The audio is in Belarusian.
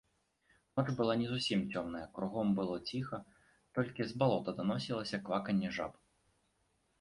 Ноч была не зусім цёмная, кругом было ціха, толькі з балота даносілася кваканне жаб.